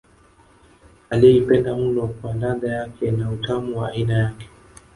Aliyeipenda mno kwa ladha yake na utamu wa aina yake